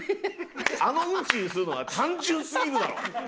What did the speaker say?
あのうんちにするのは単純すぎるだろ！